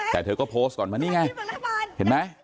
แต่เธอก็โพสต์ก่อนว่านี่ไงเห็นไหม